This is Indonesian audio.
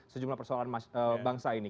sejumlah persoalan bangsa ini